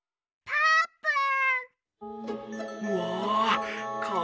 「ぱーぷん」。